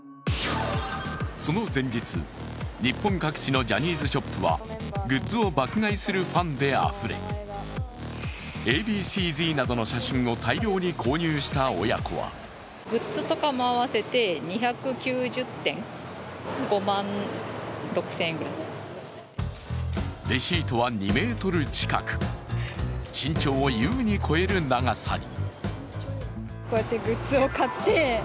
その前日、日本各地のジャニーズショップはグッズを爆買いするファンであふれＡ．Ｂ．Ｃ−Ｚなどの写真を大量に購入した親子はレシートは２ｍ近く、身長を優に超える長さに。